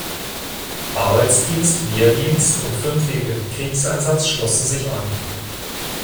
Arbeitsdienst, Wehrdienst und fünfjähriger Kriegseinsatz schlossen sich an.